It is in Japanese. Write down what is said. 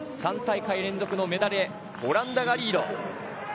３大会連続のメダルへオランダがリード。